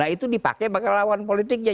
itu dipakai bakal lawan politiknya